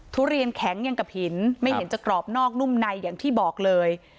ทุเรียนแข็งยังกับหินไม่เห็นจะกรอบนอกนุ่มในอย่างที่บอกเลย